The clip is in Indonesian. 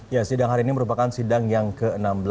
ya sidang hari ini merupakan sidang yang ke enam belas